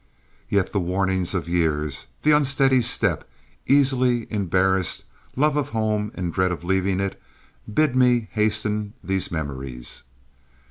Yet the warnings of years the unsteady step, easily embarrassed, love of home and dread of leaving it bid me hasten these memoirs.